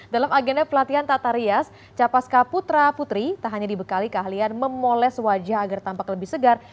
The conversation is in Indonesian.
dalam agenda pelatihan tata rias capaska putra putri tak hanya dibekali keahlian memoles wajah agar tampak lebih segar